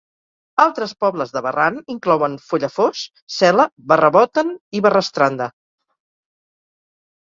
Altres pobles de Verran inclouen Follafoss, Sela, Verrabotn i Verrastranda.